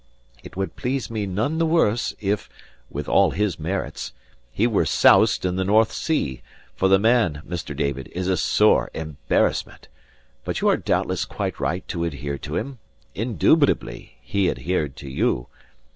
It would please me none the worse, if (with all his merits) he were soused in the North Sea, for the man, Mr. David, is a sore embarrassment. But you are doubtless quite right to adhere to him; indubitably, he adhered to you.